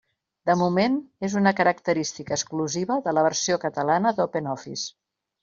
De moment, és una característica exclusiva de la versió catalana d'OpenOffice.